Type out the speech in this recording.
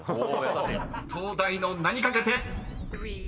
［東大の名に懸けて］